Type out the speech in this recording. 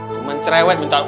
cuman cerewet minta uang